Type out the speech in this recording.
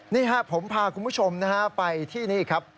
นี่ครับผมพาคุณผู้ชมนะฮะไปที่นี่ครับ